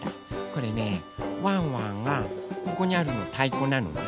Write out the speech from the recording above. これねワンワンがここにあるのたいこなのね。